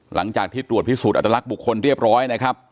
หลังจากที่ตรวจพิสูจนอัตลักษณ์บุคคลเรียบร้อยนะครับ